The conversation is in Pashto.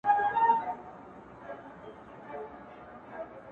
د هغو لپاره یو دي څه دننه څه د باندي!